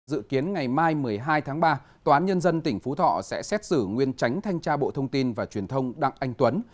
dự kiến ngày mai một mươi hai tháng ba tòa án nhân dân tỉnh phú thọ sẽ xét xử nguyên tránh thanh tra bộ thông tin và truyền thông đặng anh tuấn